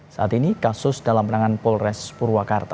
saat ini kasus dalam penanganan polres purwakarta